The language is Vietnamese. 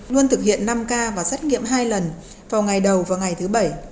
luôn thực hiện năm k và xét nghiệm hai lần vào ngày đầu và ngày thứ bảy